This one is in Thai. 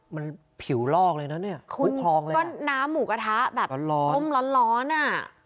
มันผิวลอกเลยนะเนี่ยมุกพร้องเลยอ่ะร้อนร้อนคุณก็น้ำหมูกระทะแบบอ้มร้อนอ่ะ